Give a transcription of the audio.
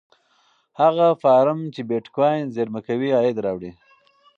هغه فارم چې بېټکوین زېرمه کوي عاید راوړي.